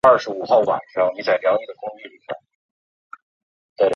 他也曾经兼任太原钢铁集团旗下上市公司山西太钢不锈钢股份有限公司董事长。